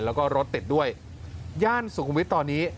แล้วก็รถติดด้วยย่านสุขุมวิทย์ตอนนี้